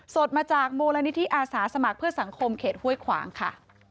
สดมาจากมูลนิธิอาสาสมัครเพื่อสังคมเขตห้วยขวางค่ะ